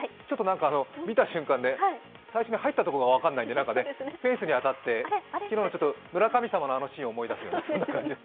見た瞬間、最初に入ったところが分からないので、フェンスに当たって、昨日の村神様のシーンを思い出すような、そんな感じ。